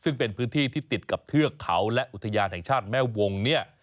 ซึ่งเป็นพื้นที่ที่ติดกับเทือกเขาและอุทยานแห่งชาติแม่วงเนี่ย